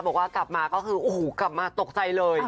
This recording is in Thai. บอกว่ากลับมาก็คือโอ้โหกลับมาตกใจเลย